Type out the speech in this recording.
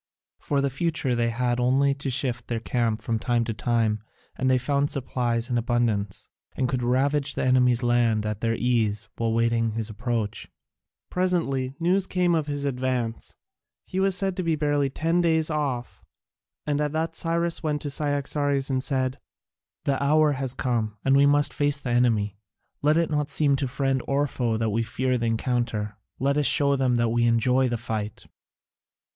For the future they had only to shift their camp from time to time, and they found supplies in abundance, and could ravage the enemy's land at their ease while waiting his approach. Presently news came of his advance: he was said to be barely ten days' off, and at that Cyrus went to Cyaxares and said: "The hour has come, and we must face the enemy. Let it not seem to friend or foe that we fear the encounter: let us show them that we enjoy the fight."